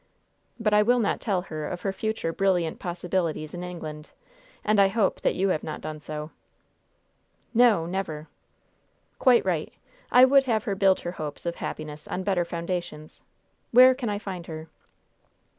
But I will not tell her of her future brilliant possibilities in England, and I hope that you have not done so." "No, never!" "Quite right. I would have her build her hopes of happiness on better foundations. Where can I find her?"